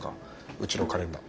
うちのカレンダー。